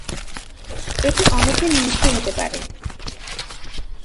এতে অনেকের মৃত্যু হতে পারে।